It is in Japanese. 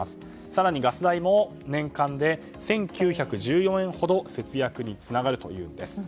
更にガス代も年間で１９１４円ほど節約につながるといいます。